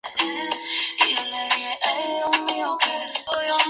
Comenzó a estudiar derecho en Göttingen, dejando esos estudios por los de arqueología.